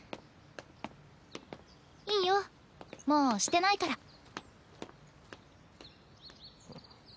いいよもうしてないから。